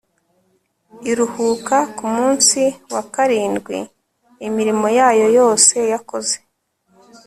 iruhuka ku munsi wa karindwi imirimo yayo yose yakoze